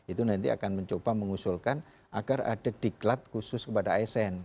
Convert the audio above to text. itu nanti akan mencoba mengusulkan agar ada diklat khusus kepada asn